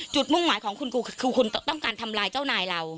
มุ่งหมายของคุณคือคุณต้องการทำลายเจ้านายเรา